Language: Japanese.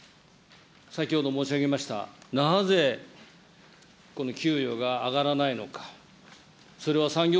先ほど申し上げました、なぜこの給与が上がらないのか。